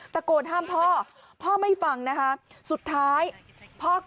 ตะโกนห้ามพ่อพ่อไม่ฟังนะคะสุดท้ายพ่อก็